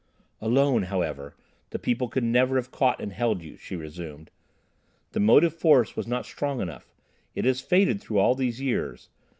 "Alone, however, the people could never have caught and held you," she resumed. "The motive force was not strong enough; it has faded through all these years.